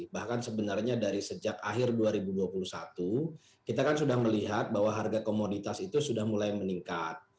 bahkan sebenarnya dari sejak akhir dua ribu dua puluh satu kita kan sudah melihat bahwa harga komoditas itu sudah mulai meningkat